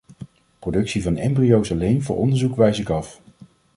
Productie van embryo's alleen voor onderzoek wijs ik af.